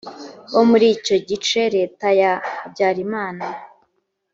bo muri icyo gice leta ya habyarimana